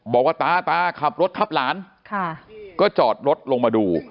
บอกว่าตาตาขับรถทับหลานก็จอดรถลงมาดู